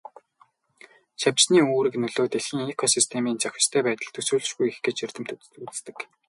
Шавжны үүрэг нөлөө дэлхийн экосистемийн зохистой байдалд төсөөлшгүй их гэж эрдэмтэд үздэг.